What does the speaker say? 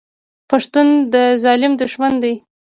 پښتون د ظالم دښمن دی.